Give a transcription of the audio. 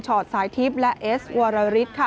สายทิพย์และเอสวรริสค่ะ